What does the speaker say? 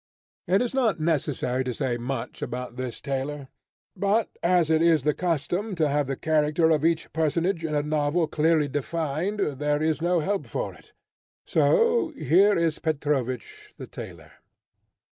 It is not necessary to say much about this tailor, but as it is the custom to have the character of each personage in a novel clearly defined there is no help for it, so here is Petrovich the tailor.